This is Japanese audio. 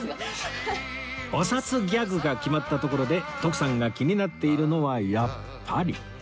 おサツギャグが決まったところで徳さんが気になっているのはやっぱり